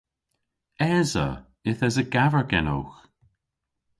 Esa. Yth esa gaver genowgh.